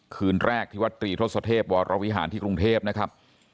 คืนแรกที่วัดตรีทศเทพวรวิหารที่กรุงเทพนะครับ